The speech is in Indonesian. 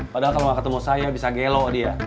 padahal kalau nggak ketemu saya bisa gelo dia